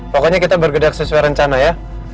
pokoknya kita bergerak sesuai rencana ya